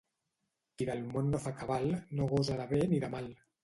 Qui del món no fa cabal, no gosa de bé ni de mal.